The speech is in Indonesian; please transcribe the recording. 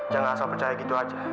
jangan asal percaya gitu aja